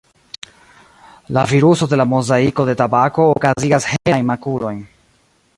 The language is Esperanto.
La viruso de la mozaiko de tabako okazigas helajn makulojn.